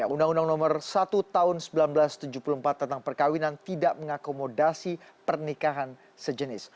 undang undang nomor satu tahun seribu sembilan ratus tujuh puluh empat tentang perkawinan tidak mengakomodasi pernikahan sejenis